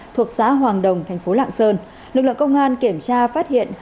thuộc xã hoàng đồng thành phố lạng sơn lực lượng công an kiểm tra phát hiện